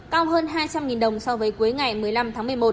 cao hơn hai trăm linh đồng so với cuối ngày một mươi năm tháng một mươi một